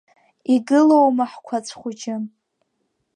Игылоума ҳқәацә хәыҷы?